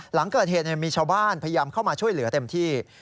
หลังเกิดเหตุมีชาวบ้านพยายามเข้ามาช่วยเหลือเต็มที่